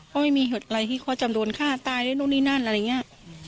เพราะไม่มีเหตุอะไรที่เขาจะโดนฆ่าตายแล้วนู่นนี่นั่นอะไรอย่างนี้